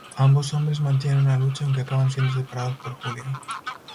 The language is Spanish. Ambos hombres mantienen una lucha aunque acaban siendo separados por Julia.